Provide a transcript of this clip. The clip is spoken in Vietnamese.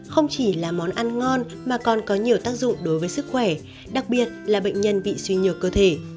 không chỉ là món ăn ngon mà còn có nhiều tác dụng đối với sức khỏe đặc biệt là bệnh nhân bị suy nhược cơ thể